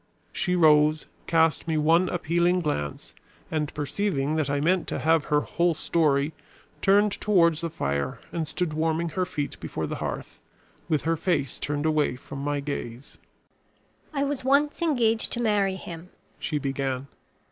She rose, cast me one appealing glance, and perceiving that I meant to have her whole story, turned towards the fire and stood warming her feet before the hearth, with her face turned away from my gaze. "I was once engaged to marry him," she began.